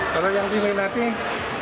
kalau yang peminatnya